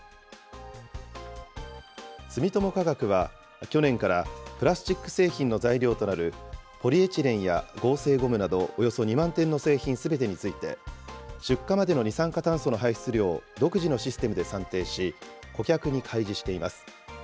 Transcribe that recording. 住友化学は、去年からプラスチック製品の材料となるポリエチレンや合成ゴムなど、およそ２万点の製品すべてについて、出荷までの二酸化炭素の排出量を独自のシステムで算定し、顧客に開示しています。